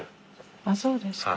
ああそうですか。